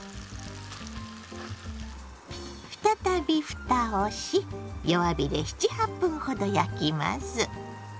再びふたをし弱火で７８分ほど焼きます。